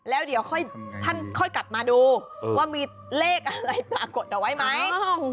แล้วเดี๋ยวท่านค่อยกลับมาดูว่ามีเลขอะไรปรากฏเอาไว้ไหม